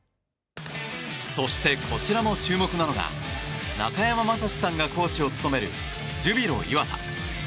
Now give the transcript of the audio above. そして、こちらも注目なのが中山雅史さんがコーチを務めるジュビロ磐田。